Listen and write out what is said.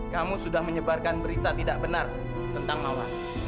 kamu sudah menyebarkan berita tidak benar tentang mawas